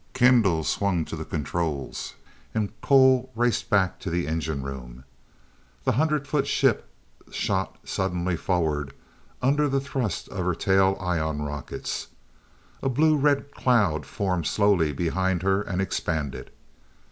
Kendall swung to the controls, and Cole raced back to the engine room. The hundred foot ship shot suddenly forward under the thrust of her tail ion rockets. A blue red cloud formed slowly behind her and expanded.